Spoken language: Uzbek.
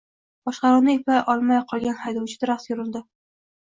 Boshqaruvni eplay olmay qolgan haydovchi daraxtga urildi.